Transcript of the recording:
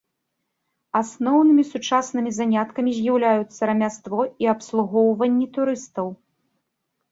Асноўнымі сучаснымі заняткамі з'яўляюцца рамяство і абслугоўванне турыстаў.